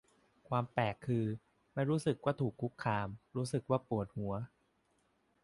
ความแปลก คือ ไม่รู้สึกว่าถูกคุกคาม รู้สึกว่าปวดหัว